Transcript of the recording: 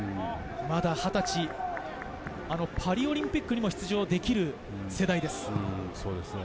まだ２０歳、パリオリンピックにも出場できる世代です。